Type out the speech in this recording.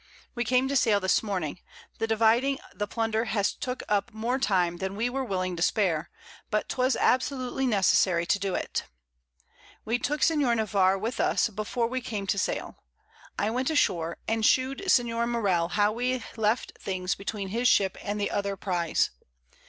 We came to sail this Morning; the dividing the Plunder has took up more Time than we were willing to spare; but 'twas absolutely necessary to do it. We took Sen. Navarre with us before we came to sail: I went ashore, and shew'd Sen. Morell how we left things between his Ship and the other Prize.